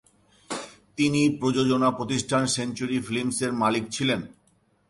তিনি প্রযোজনা প্রতিষ্ঠান সেঞ্চুরি ফিল্মসের মালিক ছিলেন।